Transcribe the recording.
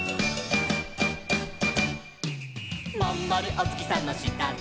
「まんまるお月さんの下で」